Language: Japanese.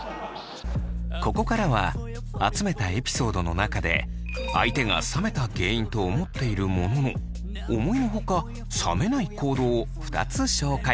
ここからは集めたエピソードの中で相手が冷めた原因と思っているものの思いのほか冷めない行動を２つ紹介。